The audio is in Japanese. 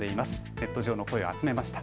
ネット上の声を集めました。